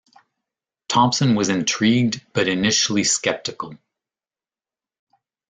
Thomson was intrigued but initially skeptical.